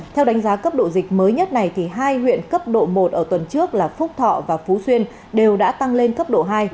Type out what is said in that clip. theo đánh giá cấp độ dịch mới nhất này hai huyện cấp độ một ở tuần trước là phúc thọ và phú xuyên đều đã tăng lên cấp độ hai